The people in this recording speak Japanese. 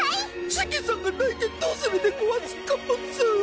シキさんが泣いてどうするでゴワスかモス。